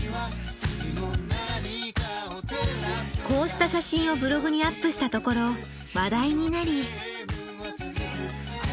こうした写真をブログにアップしたところ話題になり。